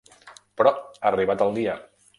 Però ha arribat el dia.